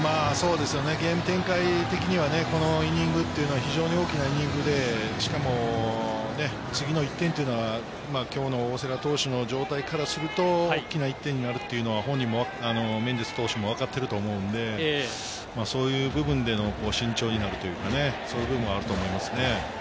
ゲーム展開的にはこのイニングというのは非常に大きなイニングで、しかも次の１点というのは、きょうの大瀬良投手の状態からすると、大きな１点になるというのはメンデス投手もわかってると思うので、そういう部分での慎重になるというかね、そういう部分はあると思いますね。